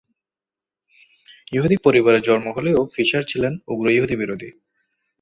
ইহুদী পরিবারে জন্ম হলেও ফিশার ছিলেন উগ্র ইহুদী-বিরোধী।